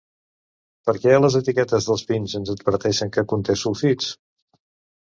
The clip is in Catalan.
Per què a les etiquetes dels vins ens adverteixen que conté sulfits?